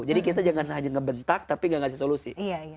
kita jangan hanya ngebentak tapi gak ngasih solusi